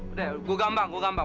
udah ya gua gampang gua gampang